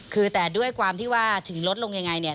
คือแต่ด้วยความที่ว่าถึงลดลงอย่างไร